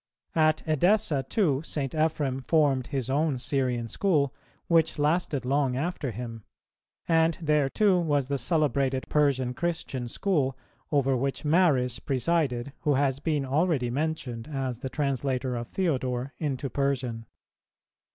[291:6] At Edessa too St. Ephrem formed his own Syrian school, which lasted long after him; and there too was the celebrated Persian Christian school, over which Maris presided, who has been already mentioned as the translator of Theodore into Persian.